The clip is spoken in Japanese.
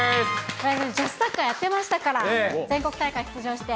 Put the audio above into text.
女子サッカーやってましたから、全国大会出場して。